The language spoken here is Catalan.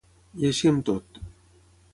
I així amb tot.